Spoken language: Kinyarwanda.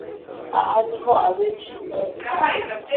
Aha ni ho abenshi bibaza